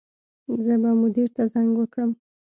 زه به مدیر ته زنګ وکړم